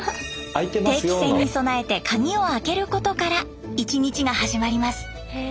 定期船に備えて鍵を開けることから１日が始まります。